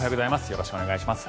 よろしくお願いします。